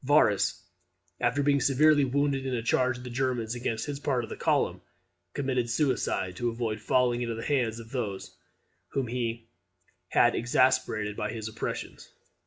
Varus, after being severely wounded in a charge of the Germans against his part of the column, committed suicide to avoid falling into the hands of those whom he had exasperated by his oppressions.